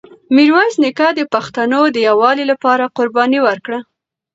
میرویس نیکه د پښتنو د یووالي لپاره قرباني ورکړه.